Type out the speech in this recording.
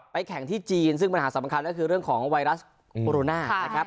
แข่งที่จีนซึ่งปัญหาสำคัญก็คือเรื่องของไวรัสโคโรนานะครับ